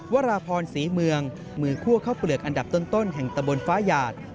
วราพรศรีเมืองมือคั่วข้าวเปลือกอันดับต้นแห่งตะบนฟ้าหยาด